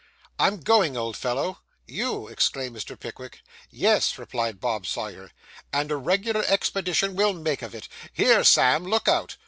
'I'm going, old fellow.' 'You!' exclaimed Mr. Pickwick. 'Yes,' replied Bob Sawyer, 'and a regular expedition we'll make of it. Here, Sam! Look out!